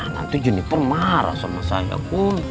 nanti jennifer marah sama saya kum